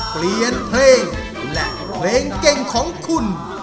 เปลี่ยนเพลงและเพลงเก่งของคุณ